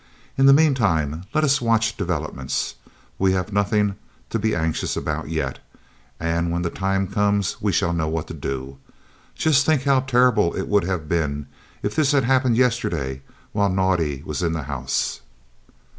In the meantime let us watch developments. We have nothing to be anxious about yet, and when the time comes we shall know what to do. Just think how terrible it would have been if this had happened yesterday while Naudé was in the house!"